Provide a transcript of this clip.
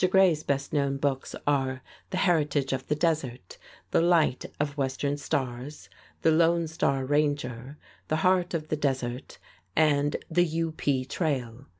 Grey's best known books are "The Heritage of the Desert," "The Light of Western Stars," "The Lone Star Ranger," "The Heart of the Desert" and "The U. P. Trail."